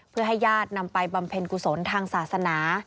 เพื่อให้ญาตินำไปบำเพ็ญกุศลทางศาสนา